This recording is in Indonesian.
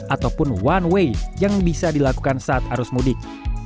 ataupun one way yang bisa dilakukan saat arus mudik